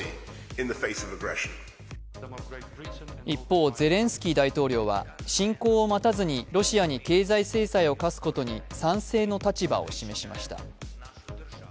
一方ゼレンスキー大統領は侵攻を待たずにロシアに経済制裁を科すことに賛成の立場を示しました。